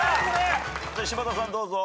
柴田さんどうぞ。